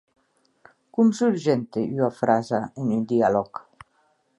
Com surgente ua frasa en un dialòg?